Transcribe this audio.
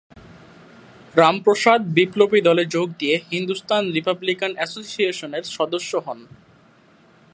রামপ্রসাদ বিপ্লবী দলে যোগ দিয়ে হিন্দুস্তান রিপাবলিকান এসোসিয়েশনের সদস্য হন।